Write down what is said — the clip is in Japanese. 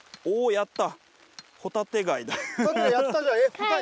やった！